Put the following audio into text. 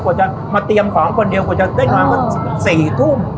กว่าจะมาเตรียมของคนเดียวกว่าจะได้มาเมื่อ๔ทุ่ม